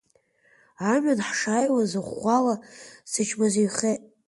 Амҩан, ҳшааиуаз, ӷәӷәала сычмазаҩхеит.